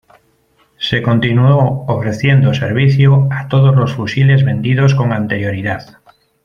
Se continuó ofreciendo servicio a todos los fusiles vendidos con anterioridad.